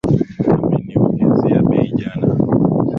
Ameniulizia bei jana